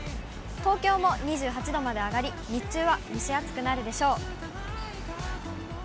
東京も２８度まで上がり、日中は蒸し暑くなるでしょう。